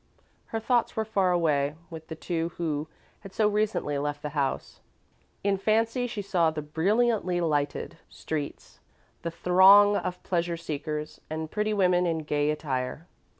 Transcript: Her thoughts were far away, with the two who had so recently left the house. In fancy she saw the brilliantly lighted streets, the throng of pleasure seekers and pretty women in gay attire.